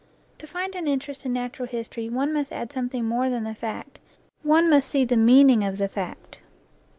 To find an interest in natural history one must add something more than the fact, one must see the meaning of the fact.